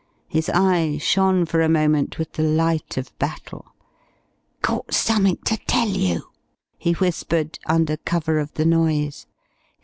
His eye shone for a moment with the light of battle. "Got summink ter tell you," he whispered under cover of the noise.